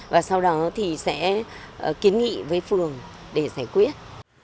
và sau đó thì sẽ kiến nghị với phường để giải quyết